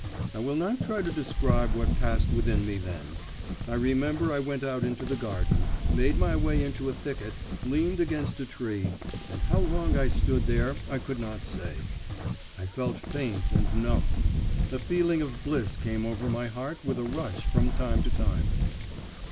I will not try to describe what passed within me then. I remember I went out into the garden, made my way into a thicket, leaned against a tree, and how long I stood there, I could not say. I felt faint and numb; a feeling of bliss came over my heart with a rush from time to time.